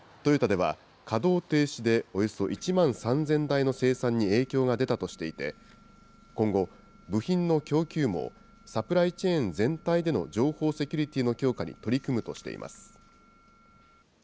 トヨタでは、稼働停止でおよそ１万３０００台の生産に影響が出たとしていて、今後、部品の供給網・サプライチェーン全体での情報セキュリティーの強化に取り組むとしています。